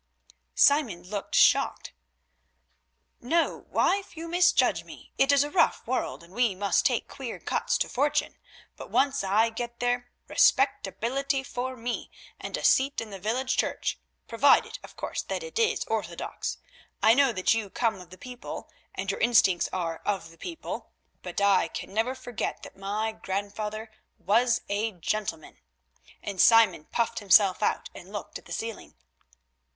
Simon looked shocked. "No, wife, you misjudge me. It is a rough world, and we must take queer cuts to fortune, but once I get there, respectability for me and a seat in the village church, provided, of course, that it is orthodox. I know that you come of the people, and your instincts are of the people, but I can never forget that my grandfather was a gentleman," and Simon puffed himself out and looked at the ceiling.